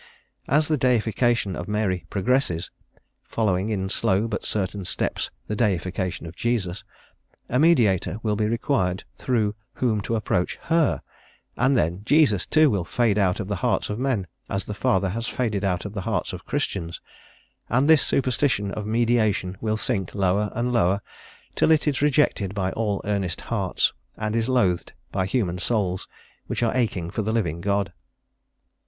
As the deification of Mary progresses, following in slow but certain steps the deification of Jesus, a mediator will be required through whom to approach her; and then Jesus, too, will fade out of the hearts of men, as the Father has faded out of the hearts of Christians, and this superstition of mediation will sink lower and lower, till it is rejected by all earnest hearts, and is loathed by human souls which are aching for the living God.